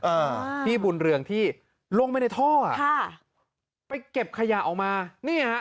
อ่าพี่บุญเรืองที่ลงไปในท่ออ่ะค่ะไปเก็บขยะออกมานี่ฮะ